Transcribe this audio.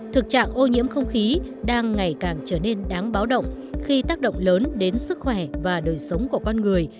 thực trạng ô nhiễm không khí đang ngày càng trở nên đáng báo động khi tác động lớn đến sức khỏe và đời sống của con người